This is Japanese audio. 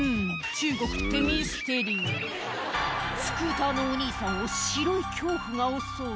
中国ってミステリースクーターのお兄さんを白い恐怖が襲う